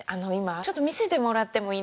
「ちょっと見せてもらってもいい？」。